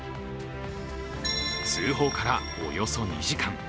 通報からおよそ２時間。